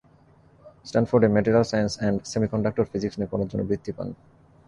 স্ট্যানফোর্ডে material science and semiconductor physics নিয়ে পড়ার জন্য বৃত্তি পান।